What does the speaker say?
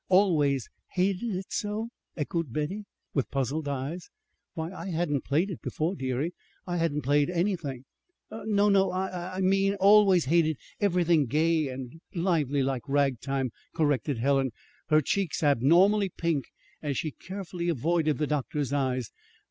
"'Always hated it so'!" echoed Betty, with puzzled eyes. "Why, I hadn't played it before, dearie. I hadn't played anything!" "No, no, I I mean always hated everything gay and lively like ragtime," corrected Helen, her cheeks abnormally pink, as she carefully avoided the doctor's eyes.